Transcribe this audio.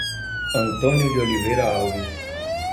Antônio de Oliveira Alves